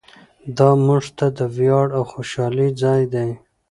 دا موږ ته د ویاړ او خوشحالۍ ځای دی.